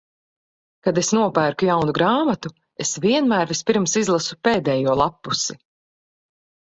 Kad es nopērku jaunu grāmatu, es vienmēr vispirms izlasu pēdējo lappusi.